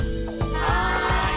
はい！